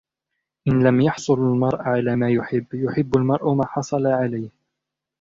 إن لم يحصل المرء على ما يحب ، يحب المرء ما حصل عليه.